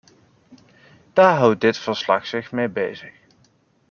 Daar houdt dit verslag zich mee bezig.